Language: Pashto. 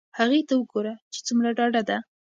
هغې ته وگوره چې څومره ډاډه ده.